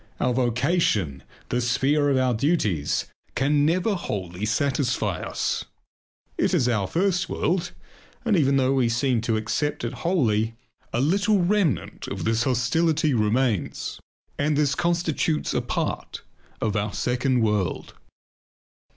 Our vocation, the sphere of our duties, can never wholly satisfy us. It is our first world; and even though we seem to accept it wholly, a little remnant of this hostility remains and this constitutes a part of our second world.